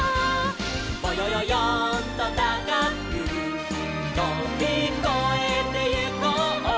「ぼよよよんとたかくとびこえてゆこう」